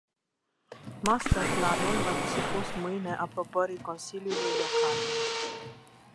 Master planul va fi supus mâine aprobării consiliului local.